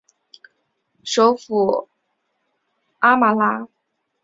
首府阿马拉。